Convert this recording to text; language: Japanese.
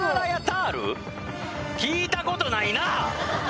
聞いたことないな！